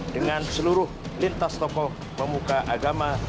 dengan seluruh lintas tokoh pemuka agama